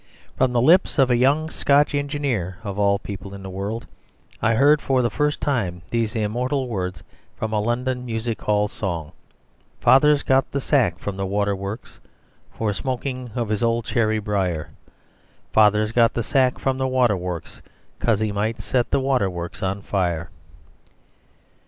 From the lips of a young Scotch engineer, of all people in the world, I heard for the first time these immortal words from a London music hall song: "Father's got the sack from the water works For smoking of his old cherry briar; Father's got the sack from the water works 'Cos he might set the water works on fire."